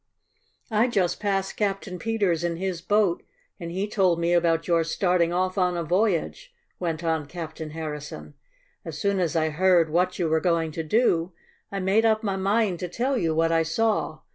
"I just passed Captain Peters in his boat, and he told me about your starting off on a voyage," went on Captain Harrison. "As soon as I heard what you were going to do, I made up my mind to tell you what I saw.